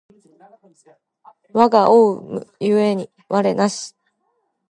我思う故に我なし